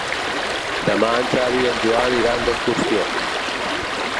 Demà en Xavi i en Joan iran d'excursió.